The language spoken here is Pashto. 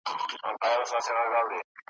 دومره ښه او لوړ آواز وو خدای ورکړی `